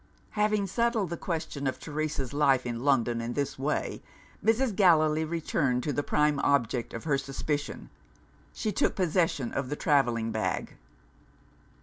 Having settled the question of Teresa's life in London in this way, Mrs. Gallilee returned to the prime object of her suspicion she took possession of the travelling bag.